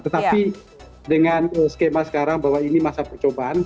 tetapi dengan skema sekarang bahwa ini masa percobaan